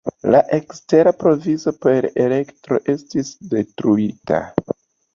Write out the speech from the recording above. La ekstera provizo per elektro estis detruita.